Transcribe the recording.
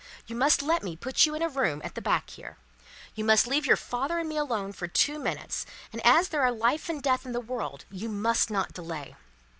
You must let me put you in a room at the back here. You must leave your father and me alone for two minutes, and as there are Life and Death in the world you must not delay."